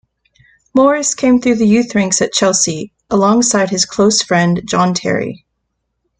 Morris came through the youth ranks at Chelsea, alongside his close friend John Terry.